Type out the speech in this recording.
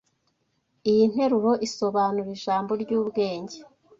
Iyi nteruro isobanura ijambo ryubwenge